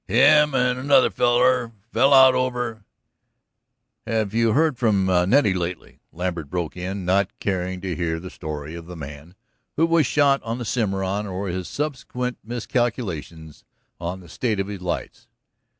Him and another feller fell out over " "Have you heard from Nettie lately?" Lambert broke in, not caring to hear the story of the man who was shot on the Cimarron, or his subsequent miscalculations on the state of his lights.